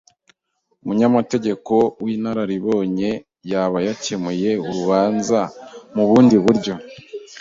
Umunyamategeko w'inararibonye yaba yarakemuye uru rubanza mu bundi buryo.